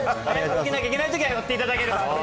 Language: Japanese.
起きなきゃいけないときは寄っていただければ。